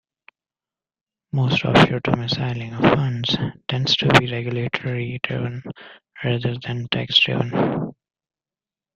Most offshore domiciling of funds tends to be regulatory driven rather than tax driven.